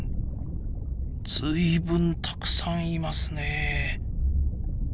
随分たくさんいますねえ！